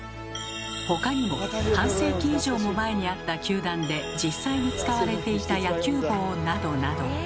他にも半世紀以上も前にあった球団で実際に使われていた野球帽などなど。